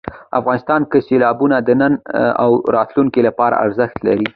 افغانستان کې سیلابونه د نن او راتلونکي لپاره ارزښت لري.